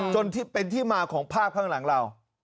ที่เป็นที่มาของภาพข้างหลังเรา